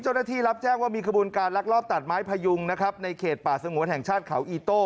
เบอร์นาทีรับแจ้งว่ามีขบูรณ์การรักรอบตัดไม้พาหยุงนะครับในเขตป่าสงวนแห่งชาติเขาอีโต่